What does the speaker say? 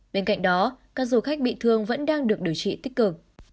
bên cạnh đó các du khách bị thương vẫn đang được điều trị tích cực